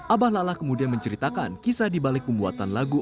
abah lala kemudian menceritakan kisah dibalik pembuatan lagu